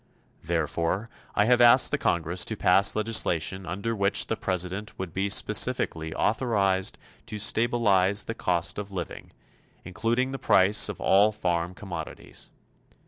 Therefore, I have asked the Congress to pass legislation under which the President would be specifically authorized to stabilize the cost of living, including the price of all farm commodities.